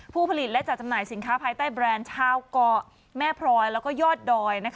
ผู้ผลิตและจัดจำหน่ายสินค้าภายใต้แบรนด์ชาวเกาะแม่พลอยแล้วก็ยอดดอย